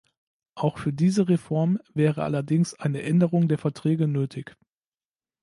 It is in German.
Auch für diese Reform wäre allerdings eine Änderung der Verträge nötig.